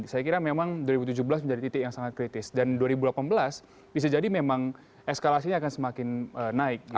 saya kira memang dua ribu tujuh belas menjadi titik yang sangat kritis dan dua ribu delapan belas bisa jadi memang eskalasinya akan semakin naik